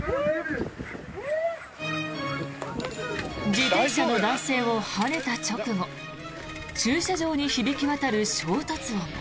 自転車の男性をはねた直後駐車場に響き渡る衝突音。